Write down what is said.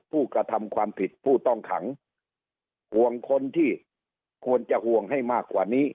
ผู้กระทำความผิดผู้ต้องขังห่วงคนที่ควรจะห่วงให้มากกว่านี้